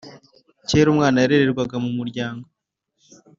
Kera umwana yarererwaga mu muryango